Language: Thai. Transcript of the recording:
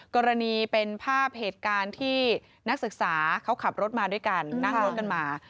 กรณีเป็นภาพเหตุการณ์ที่นักศึกษาเขาขับรถมาด้วยกันนั่งรถกันมา